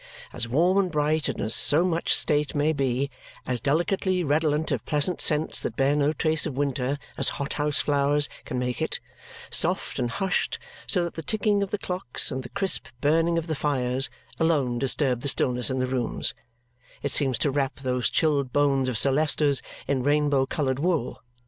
As warm and bright as so much state may be, as delicately redolent of pleasant scents that bear no trace of winter as hothouse flowers can make it, soft and hushed so that the ticking of the clocks and the crisp burning of the fires alone disturb the stillness in the rooms, it seems to wrap those chilled bones of Sir Leicester's in rainbow coloured wool.